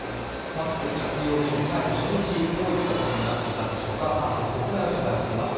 マスク着用義務解除初日、どういったことになっていたんでしょうか韓国国内を取材しています。